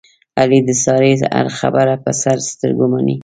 علي د سارې هره خبره په سر سترګو مني.